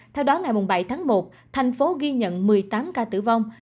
theo đó ngày bảy tháng một tp hcm ghi nhận một mươi tám ca tử vong